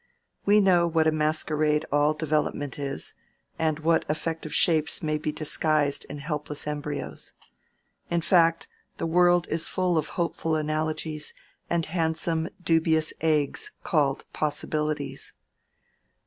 We know what a masquerade all development is, and what effective shapes may be disguised in helpless embryos. In fact, the world is full of hopeful analogies and handsome dubious eggs called possibilities.